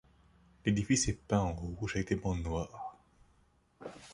L'édifice est peint en rouge avec des bandes noires.